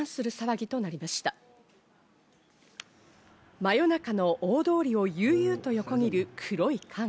真夜中の大通りを悠々と横切る黒い影。